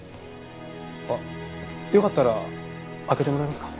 あっよかったら開けてもらえますか？